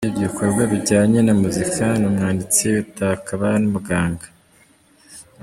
Usibye ibikorwa bijyanye na muzika ni umwanditsi w’ibitabo akaba n’umuganga.